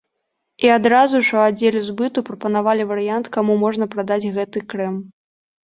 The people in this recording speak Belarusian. І адразу ж у аддзеле збыту прапанавалі варыянт, каму можна прадаць гэты крэм.